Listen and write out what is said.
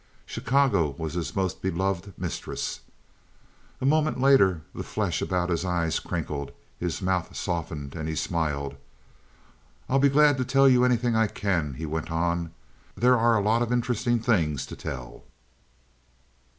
Chicago was his most beloved mistress. A moment later the flesh about his eyes crinkled, his mouth softened, and he smiled. "I'll be glad to tell you anything I can," he went on. "There are a lot of interesting things to tell."